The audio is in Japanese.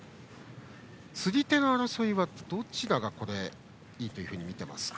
釣り手の争いはどちらがいいとみていますか？